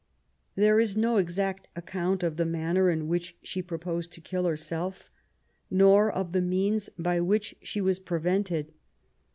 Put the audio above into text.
There is no exact account of the manner in which she proposed to kill herself, nor of the means by which she was prevented.